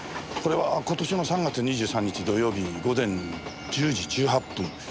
これは今年の３月２３日土曜日午前１０時１８分